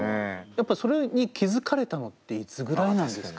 やっぱそれに気付かれたのっていつぐらいなんですか？